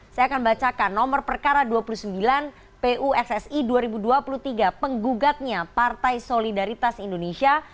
saya akan bacakan nomor perkara dua puluh sembilan pussi dua ribu dua puluh tiga penggugatnya partai solidaritas indonesia